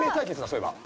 そういえば。